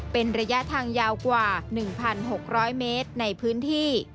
เป็นระยะทางยาวกว่า๑๖๐๐เมตรในพื้นที่